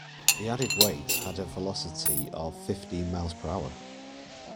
The added weight had a velocity of fifteen miles per hour.